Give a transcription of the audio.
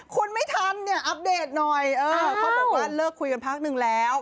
คุณไม่ทำเนี่ยอัปเดตหน่อยเออเขาบอกว่าเลิกคุยกันพักหนึ่งแล้ว